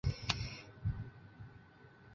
藜芦为百合科藜芦属下的一个种。